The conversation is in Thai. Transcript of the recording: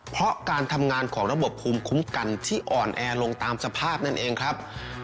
เพราะการทำงานของระบบภูมิคุ้มกันที่อ่อนแอลงตามสภาพนั่นเองครับ